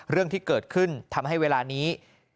เรื่องที่เกิดขึ้นทำให้เวลานี้